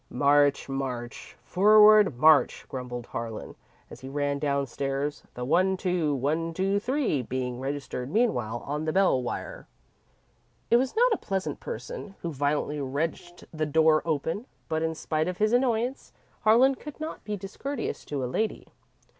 "March, march, forward march!" grumbled Harlan, as he ran downstairs, the one two, one two three being registered meanwhile on the bell wire. It was not a pleasant person who violently wrenched the door open, but in spite of his annoyance, Harlan could not be discourteous to a lady.